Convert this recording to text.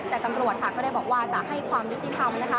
แต่ตำรวจก็ได้บอกว่าจะให้ความยุติธรรมนะคะ